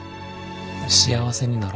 幸せになろ。